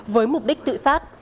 với mục đích tự sát